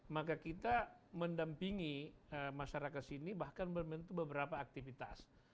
maka kita mendampingi masyarakat sini bahkan membentuk beberapa aktivitas